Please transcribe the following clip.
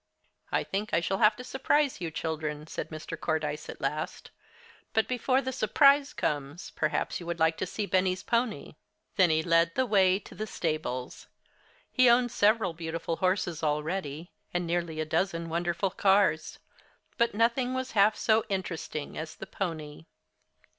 "I think I shall have to surprise you children," said Mr. Cordyce at last. "But before the surprise comes, perhaps you would like to see Benny's pony." Then he led the way to the stables. He owned several beautiful horses already, and nearly a dozen wonderful cars. But nothing was half so interesting as the pony.